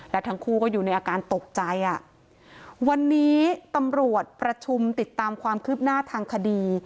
และทั้งคู่ก็อยู่ในอาการตกใจอ่ะวันนี้ตำรวจประชุมติดตามความคืบหน้าทางคดี